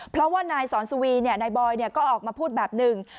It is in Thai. เพราะว่านายสอนสุวีนายบอยก็ออกมาพูดแบบหนึ่ง